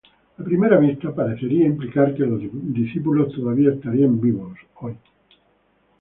A primera vista, parecería implicar que los discípulos todavía estarían vivos hoy.